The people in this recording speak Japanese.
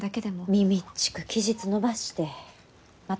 みみっちく期日延ばしてまた借りて？